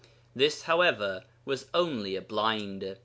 This, however, was only a blind.